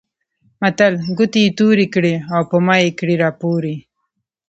متل؛ ګوتې يې تورې کړې او په مايې کړې راپورې.